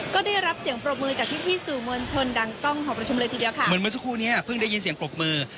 ก็ได้รับเสียงปรบมือจากพี่พี่สื่อมวลชนดังกล้องหอประชุมเลยทีเดียวค่ะเหมือนเมื่อสักครู่เนี้ยเพิ่งได้ยินเสียงปรบมือ